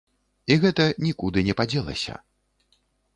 І гэта нікуды не падзелася.